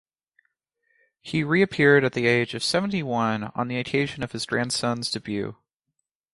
He reappeared at the age of seventy-one on the occasion of his grandson's debut.